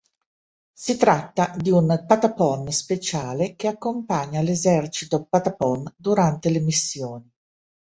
Si tratta di un Patapon speciale che accompagna l'esercito Patapon durante le missioni.